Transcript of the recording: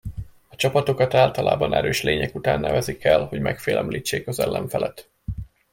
A csapatokat általában erős lények után nevezik el, hogy megfélemlítsék az ellenfelet.